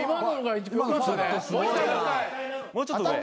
もうちょっと上？